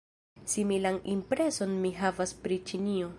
Similan impreson mi havas pri Ĉinio.